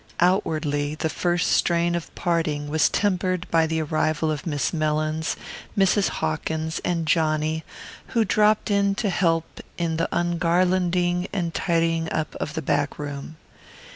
Outwardly the first strain of parting was tempered by the arrival of Miss Mellins, Mrs. Hawkins and Johnny, who dropped in to help in the ungarlanding and tidying up of the back room.